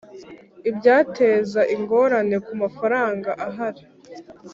ibyateza ingorane ku mafaranga ahari